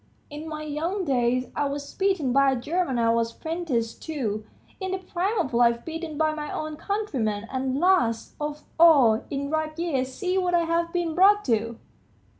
In my young days, I was beaten by a German I was 'prentice to; in the prime of life beaten by my own countrymen, and last of all, in ripe years, see what I have been brought to.